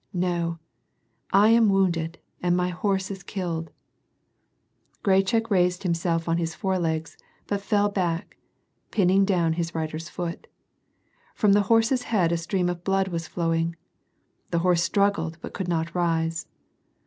" No, I am wounded and my horse is killed." Grachik raised himself on his fore logs, but fell back, pinning down his rider's foot. From the horse's head a stream of blood was flowing. The horse struggled but could not rise.